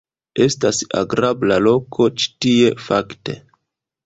Estas agrabla loko ĉi tie, fakte.